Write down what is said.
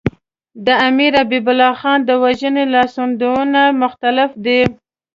د امیر حبیب الله خان د وژنې لاسوندونه مختلف دي.